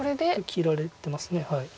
切られてます。